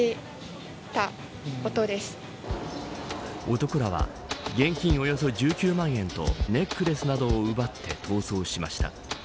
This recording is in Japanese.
男らは現金およそ１９万円とネックレスなどを奪って逃走しました。